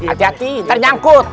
hati hati ntar nyangkut